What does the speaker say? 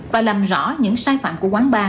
và làm rõ những sai phạm của quán bar